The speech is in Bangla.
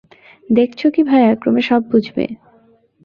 দেখছ কি ভায়া, ক্রমে সব বুঝবে।